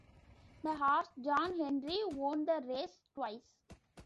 The horse John Henry won the race twice.